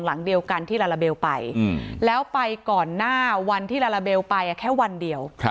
หลังเดียวกันที่ลาลาเบลไปแล้วไปก่อนหน้าวันที่ลาลาเบลไปแค่วันเดียว